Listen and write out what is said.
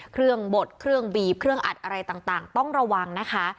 เครื่องบดเครื่องบีบเครื่องอัดอะไรต่างต่างต้องระวังนะคะ